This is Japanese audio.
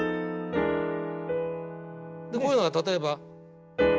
こういうのが例えば。